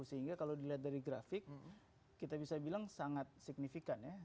sehingga kalau dilihat dari grafik kita bisa bilang sangat signifikan ya